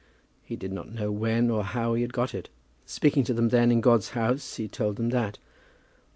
He did not know when or how he had got it. Speaking to them then in God's house he told them that.